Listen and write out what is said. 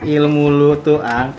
ilmu lu tuh ang